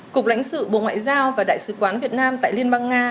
cục lãnh sự bộ ngoại giao và đại sứ quán việt nam tại liên bang nga